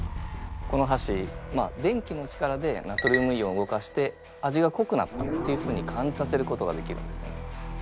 このはし電気の力でナトリウムイオンを動かして味がこくなったっていうふうに感じさせることができるんですね。